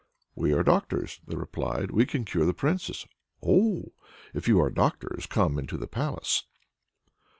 "We are doctors," they replied; "we can cure the Princess!" "Oh! if you are doctors, come into the palace."